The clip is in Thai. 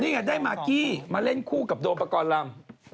นี่ไงได้มากกี้มาเล่นคู่กับโดมปกรณ์ลำ